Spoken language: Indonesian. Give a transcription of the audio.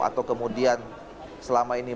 atau kemudian selama ini